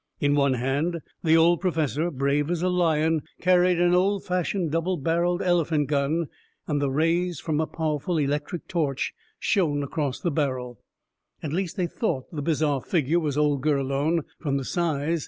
In one hand, the old Professor, brave as a lion, carried an old fashioned double barreled elephant gun, and the rays from a powerful electric torch shone across the barrel. At least, they thought the bizarre figure was old Gurlone, from the size.